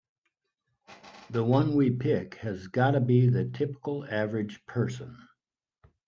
The one we pick has gotta be the typical average person.